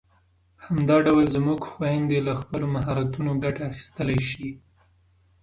همدا ډول زموږ خويندې له خپلو مهارتونو ګټه اخیستلای شي.